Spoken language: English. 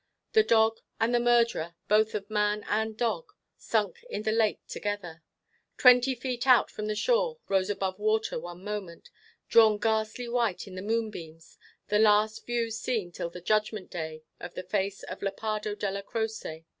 The dog, and the murderer, both of man and dog, sunk in the lake together. Twenty feet out from the shore rose above water one moment, drawn ghastly white in the moonbeams, the last view seen till the judgment day of the face of Lepardo Della Croce.